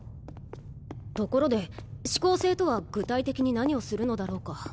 ところで四煌星とは具体的に何をするのだろうか。